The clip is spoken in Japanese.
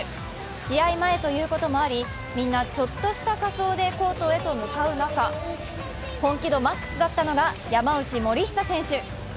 試合前ということもあり、みんなちょっとした仮装でコートへと向かう中、本気度マックスだったのが、山内盛久選手。